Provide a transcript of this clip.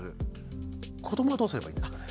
子どもはどうすればいいんですかね。